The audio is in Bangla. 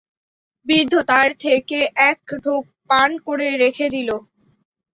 বৃদ্ধ তার থেকে এক ঢোক পান করে রেখে দিল।